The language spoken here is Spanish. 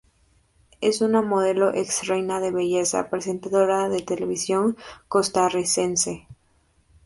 Es una modelo ex-reina de belleza y presentadora de televisión costarricense.